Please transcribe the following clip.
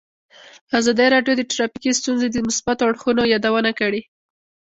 ازادي راډیو د ټرافیکي ستونزې د مثبتو اړخونو یادونه کړې.